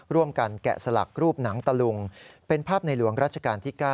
แกะสลักรูปหนังตะลุงเป็นภาพในหลวงราชการที่๙